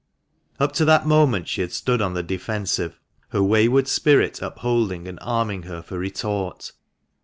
362 THE MANCHESTER MAN. Up to that moment she had stood on the defensive, her wayward spirit upholding and arming her for retort.